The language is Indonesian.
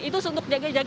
itu untuk jaga jaga